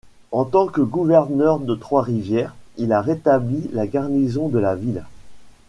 En tant que gouverneur de Trois-Rivières, il a rétabli la garnison de la ville.